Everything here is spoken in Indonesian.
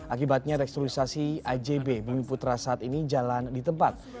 akibatnya restrukturisasi ajb bumi putra saat ini jalan di tempat